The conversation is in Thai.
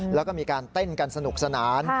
แล้วก็มีการเต้นกันสนุกสนาน